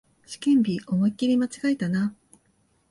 試験日、思いっきり間違えたな